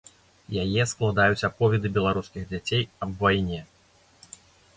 Яе складаюць аповеды беларускіх дзяцей аб вайне.